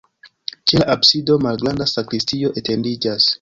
Ĉe la absido malgranda sakristio etendiĝas.